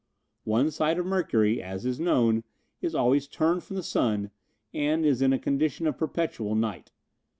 One side of Mercury, as is known, is always turned from the sun and is in a condition of perpetual night.